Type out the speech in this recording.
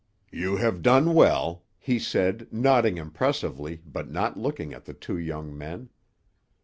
"You have done well," he said, nodding impressively, but not looking at the two young men.